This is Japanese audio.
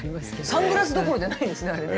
サングラスどころじゃないですねあれね。